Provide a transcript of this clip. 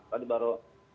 tadi baru tiga puluh